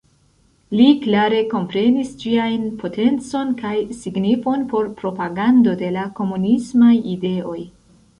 Li klare komprenis ĝiajn potencon kaj signifon por propagando de la komunismaj ideoj.